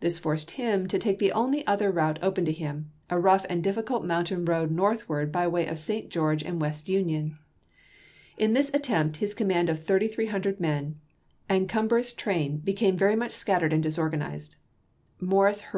This forced him to take the only other route open to him, a rough and difficult mountain road northward by way of St. George and West Union. In this attempt his command of 3300 men and cumbrous train became WEST VIKGINIA 337 very much scattered and disorganized. Morris hur chap.